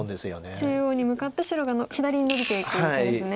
中央に向かって白が左にノビていく手ですね。